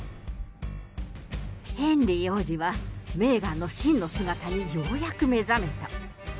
ヘンリー王子は、メーガンの真の姿にようやく目覚めた。